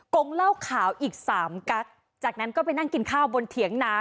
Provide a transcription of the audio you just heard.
งเหล้าขาวอีกสามกัสจากนั้นก็ไปนั่งกินข้าวบนเถียงนา